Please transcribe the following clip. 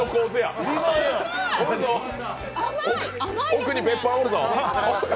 奥に、別班おるぞ。